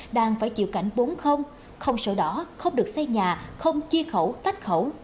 đang phải chịu cảnh bốn không sổ đỏ không được xây nhà không chi khẩu tách khẩu